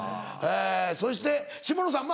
そして下野さん